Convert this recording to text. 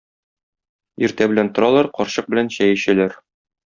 Иртә белән торалар, карчык белән чәй эчәләр.